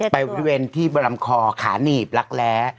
ไปบริเวณที่บรรยามคอขาหนีบรักแล